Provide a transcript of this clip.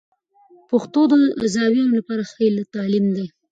پښتو د زویانو لپاره ښه تعلیم دی.